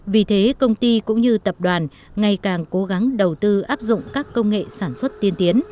vì thế công ty cũng như tập đoàn ngày càng cố gắng đầu tư áp dụng các công nghệ sản xuất tiên tiến